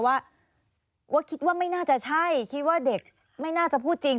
ว่าว่าคิดว่าไม่น่าจะใช่คิดว่าเด็กไม่น่าจะพูดจริง